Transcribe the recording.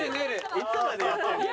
いつまでやってるんだよ！